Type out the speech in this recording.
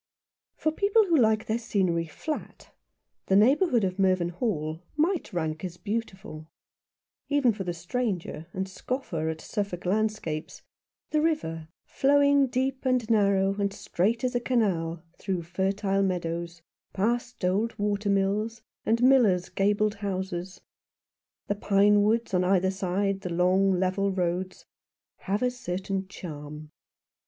FOR people who like their scenery flat the neigh bourhood of Mervynhall might rank as beautiful. Even for the stranger, and the scoffer at Suffolk landscapes, the river, flowing deep and narrow and straight as a canal through fertile meadows, past old water mills, and millers' gabled houses, the pine woods on either side the long level roads, have a certain charm.